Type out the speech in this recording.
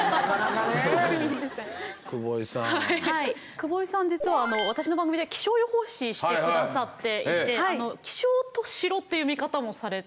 久保井さん実は私の番組で気象予報士して下さっていて気象と城という見方もされて。